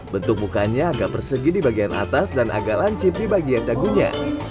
bentuk mukanya agak persegi di bagian atas dan agak lancip di bagian dagunya